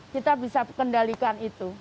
kita bisa kendalikan itu